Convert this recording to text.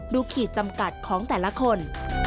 ขีดจำกัดของแต่ละคน